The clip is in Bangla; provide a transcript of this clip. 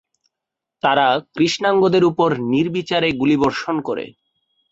তারা কৃষ্ণাঙ্গদের উপর নির্বিচারে গুলিবর্ষণ করে।